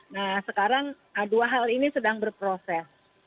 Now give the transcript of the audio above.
nah sekarang dua hal ini sedang berproses